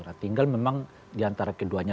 nah tinggal memang di antara keduanya